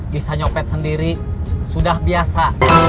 bisa nyopet sendiri sudah biasa